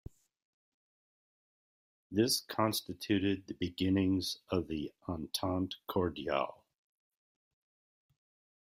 This constituted the beginnings of the Entente Cordiale.